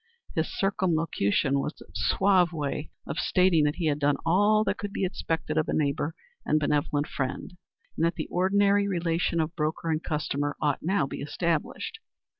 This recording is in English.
His circumlocution was a suave way of stating that he had done all that could be expected of a neighbor and benevolent friend, and that the ordinary relation of broker and customer ought now be established.